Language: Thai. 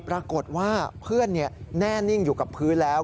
ปรากฏว่าเพื่อนแน่นิ่งอยู่กับพื้นแล้ว